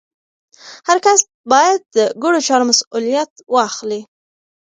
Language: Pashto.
هر کس باید د ګډو چارو مسوولیت واخلي.